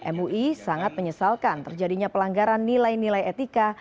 mui sangat menyesalkan terjadinya pelanggaran nilai nilai etika